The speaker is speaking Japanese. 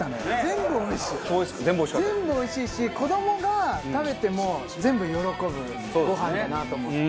全部おいしいし子どもが食べても全部喜ぶご飯だなと思って。